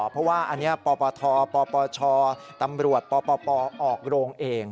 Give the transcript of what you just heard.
เพราะว่าอันนี้ปปทปปชตำรวจปปออกโรงเอง